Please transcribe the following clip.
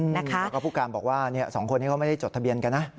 แล้วก็ผู้การบอกว่า๒คนนี้เขาไม่ได้จดทะเบียนกันนะ